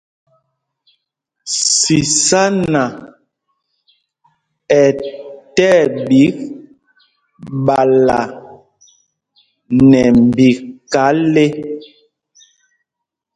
Sísána ɛ tí ɛɓik ɓala nɛ mbika le.